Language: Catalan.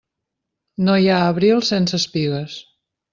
No hi ha abril sense espigues.